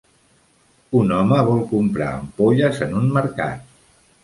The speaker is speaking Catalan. Un home vol comprar ampolles en un mercat